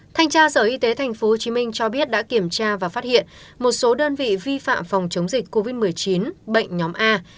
thanh tra sở y tế tp hcm cho biết đã kiểm tra và phát hiện một số đơn vị vi phạm phòng chống dịch covid một mươi chín bệnh nhóm a